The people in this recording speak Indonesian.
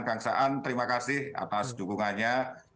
kang saan terima kasih atas dukungannya